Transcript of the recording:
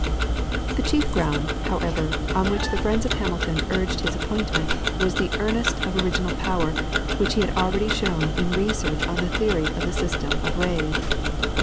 The chief ground, however, on which the friends of Hamilton urged his appointment was the earnest of original power which he had already shown in a research on the theory of Systems of Rays.